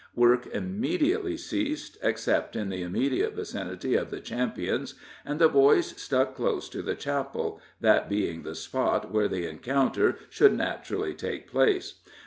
Work immediately ceased, except in the immediate vicinity of the champions, and the boys stuck close to the chapel, that being the spot where the encounter should naturally take place.